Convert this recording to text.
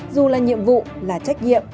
dù là nhiệm vụ là trách nhiệm